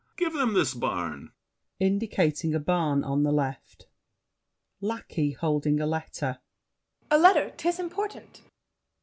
Give them this barn. [Indicating a barn on the left. LACKEY (holding a letter). A letter! 'Tis important!